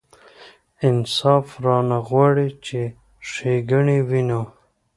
انصاف رانه غواړي چې ښېګڼې وینو.